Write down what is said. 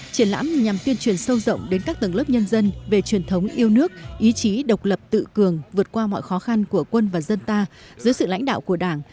triển lãm nhằm tuyên truyền sâu rộng đến các tầng lớp nhân dân về truyền thống yêu nước ý chí độc lập tự cường vượt qua mọi khó khăn của quân và dân ta dưới sự lãnh đạo của đảng